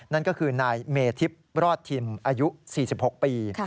นั่นก็คือนายเมธิบรอดทิมอายุ๔๖ปี